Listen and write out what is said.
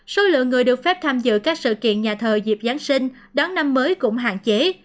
số lượng người được phép tham dự các sự kiện nhà thờ dịp giáng sinh đón năm mới cũng hạn chế